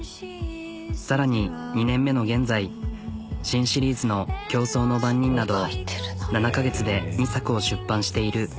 さらに２年目の現在新シリーズの「競争の番人」など７カ月で２作を出版している。